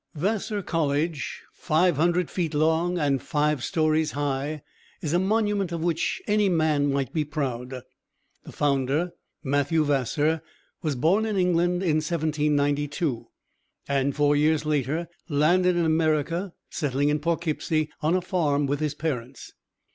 Vassar College, five hundred feet long and five stories high, is a monument of which any man might be proud. The founder, Mathew Vassar, was born in England in 1792, and four years later landed in America, settling in Poughkeepsie, on a farm with his parents.